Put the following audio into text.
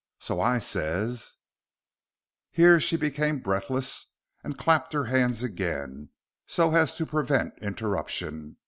So I ses " Here she became breathless and clapped her hands again, so as to prevent interruption.